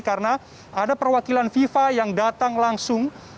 karena ada perwakilan fifa yang datang langsung